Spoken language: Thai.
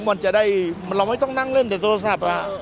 มันจะได้เราไม่ต้องนั่งเล่นแต่โทรศัพท์